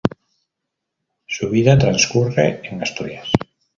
Su vida transcurre en Asturias.